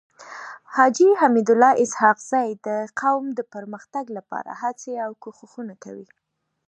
حاجي حميدالله اسحق زی د قوم د پرمختګ لپاره هڅي او کوښښونه کوي.